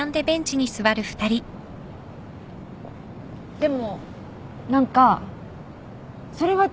でも何かそれは違うの。